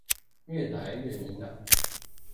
越來越明朗